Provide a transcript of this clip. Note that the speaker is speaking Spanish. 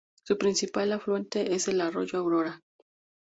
Su principal afluente es el Arroyo Aurora.